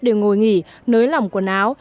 để ngồi nghỉ nới lỏng quần áo